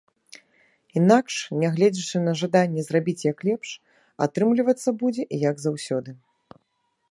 Інакш, нягледзячы на жаданне зрабіць як лепш, атрымлівацца будзе як заўсёды.